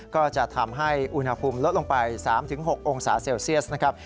ก็จะทำให้อุณหภูมิลดลงไป๓๖องศาเซลเซียสนะครับ